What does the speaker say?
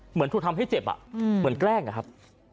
เหมือนถูกทำให้เจ็บเหมือนแกล้งอะครับ